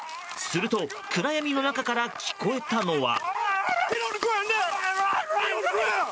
すると暗闇の中から聞こえたのは。